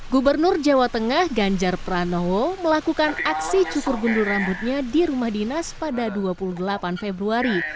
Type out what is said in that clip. gubernur jawa tengah ganjar pranowo melakukan aksi cukur gundul rambutnya di rumah dinas pada dua puluh delapan februari